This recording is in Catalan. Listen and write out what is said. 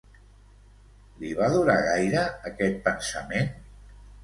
Li va durar gaire aquest pensament?